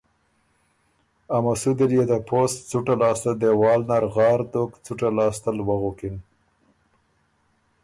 ا مسُودی ليې ته پوسټ څُته لاسته دېوال نر غار دوک څُټه لاسته ل وُغکِن۔